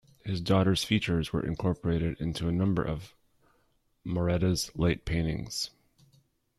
His daughter's features were incorporated into a number of Maratta's late paintings.